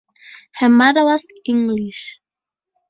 Her mother was English.